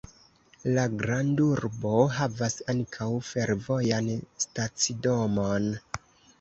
La grandurbo havas ankaŭ fervojan stacidomon.